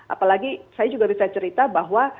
apalagi saya juga bisa cerita bahwa